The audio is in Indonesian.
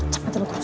tenang aja lo krus